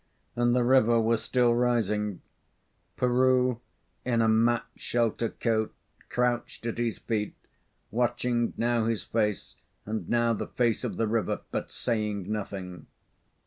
And the river was still rising. Peroo, in a mat shelter coat, crouched at his feet, watching now his face and now the face of the river, but saying nothing.